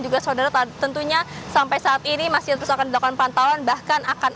juga saudara tentunya sampai saat ini masih terus akan dilakukan pantauan bahkan akan